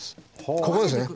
ここですね